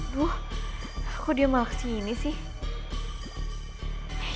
bu kok dia malah kesini sih